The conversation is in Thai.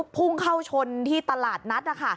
พุ่งเข้าชนที่ตลาดนัด